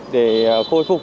để khôi phục